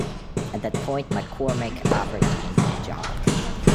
At that point McCormick offered Handy a job.